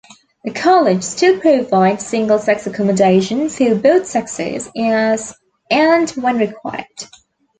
The college still provides single-sex accommodation for both sexes as and when required.